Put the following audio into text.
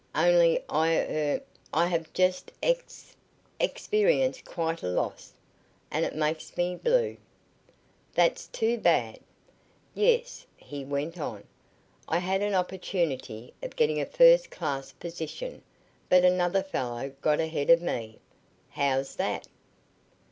Only I er I have just ex experienced quite a loss, and it makes me blue." "That's too bad!" "Yes," he went on. "I had an opportunity of getting a first class position, but another fellow got ahead of me." "How's that?"